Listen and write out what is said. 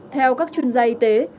theo các chuyên gia y tế